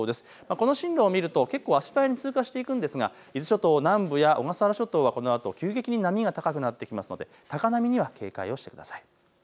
この進路を見ると結構足早に通過していくんですが伊豆諸島南部や小笠原諸島はこのあと急激に波が高くなってきますので高波には警戒をしてください。